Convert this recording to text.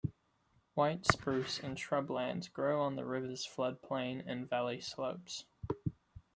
White spruce and shrublands grow on the river's floodplain and valley slopes.